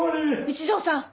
一条さん